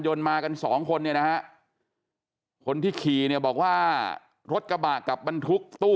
ยนต์มากัน๒คนนะคนที่ขี่เนี่ยบอกว่ารถกระบะกับบรรทุกตู้